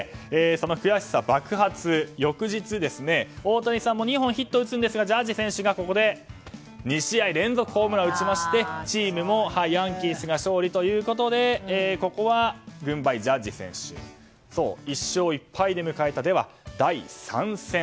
その悔しさ爆発、翌日大谷さんも２本ヒットを打つんですがジャッジ選手が２試合連続ホームランを打ちまして、チームもヤンキースが勝利ということでここは軍配、ジャッジ選手１勝１敗で迎えたでは、第３戦。